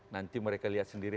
nanti mereka lihat sendiri